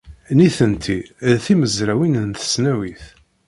Nitenti d timezrawin n tesnawit.